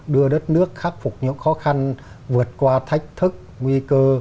đưa đất nước khắc phục những khó khăn vượt qua thách thức nguy cơ